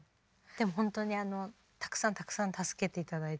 でも本当にあのたくさんたくさん助けて頂いて。